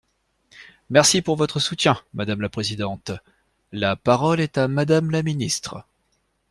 Merci pour votre soutien, madame la présidente ! La parole est à Madame la ministre.